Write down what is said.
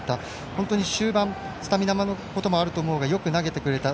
本当にスタミナのこともあると思うがよく投げてくれた。